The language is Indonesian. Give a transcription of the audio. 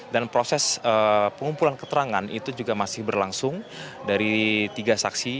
dan proses pengumpulan keterangan itu juga masih berlangsung dari tiga saksi